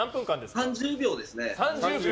３０秒ですね。